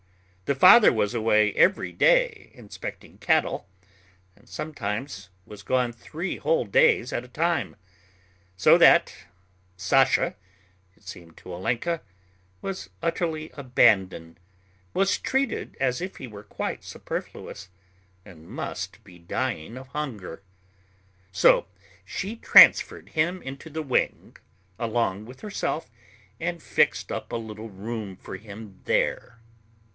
The father was away every day inspecting cattle, and sometimes was gone three whole days at a time, so that Sasha, it seemed to Olenka, was utterly abandoned, was treated as if he were quite superfluous, and must be dying of hunger. So she transferred him into the wing along with herself and fixed up a little room for him there.